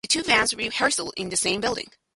The two bands rehearsed in the same building.